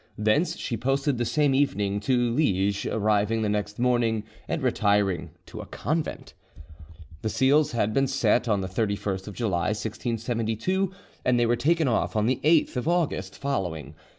Thence she posted the same evening to Liege, arriving the next morning, and retired to a convent. The seals had been set on the 31st of July 1672, and they were taken off on the 8th of August following.